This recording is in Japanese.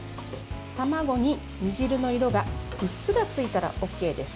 卵に煮汁の色がうっすらついたらＯＫです。